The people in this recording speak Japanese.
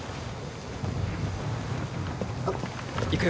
行くよ。